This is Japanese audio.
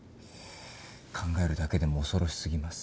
考えるだけでも恐ろしすぎます。